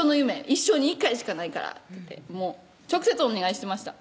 「一生に１回しかないから」って言って直接お願いしてました